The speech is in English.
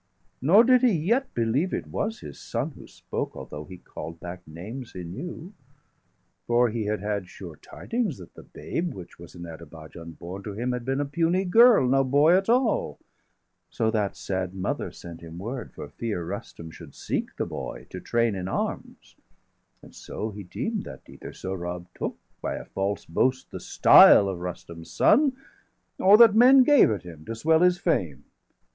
Nor did he yet believe it was his son 605 Who spoke, although he call'd back names he knew; For he had had sure tidings that the babe, Which was in Ader baijan born to him, Had been a puny girl, no boy at all So that sad mother sent him word, for fear 610 Rustum should seek the boy, to train in arms And so he deem'd that either Sohrab took, By a false boast, the style° of Rustum's son; °613 Or that men gave it him, to swell his fame.